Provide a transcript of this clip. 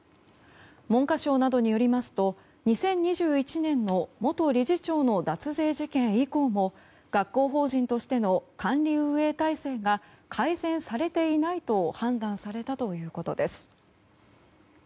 文科省などによりますと２０２１年の元理事長の脱税事件以降も学校法人としての管理運営体制が改善されていないと判断されたということです。